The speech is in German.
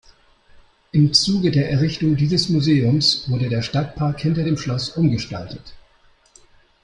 Im Zuge der Errichtung dieses Museums wurde der Stadtpark hinter dem Schloss umgestaltet.